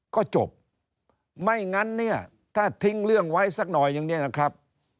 ก็จบไม่งั้นเนี่ยถ้าทิ้งเรื่องไว้สักหน่อยอย่างนี้นะครับ